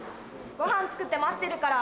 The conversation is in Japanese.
ごはん作って待ってるから。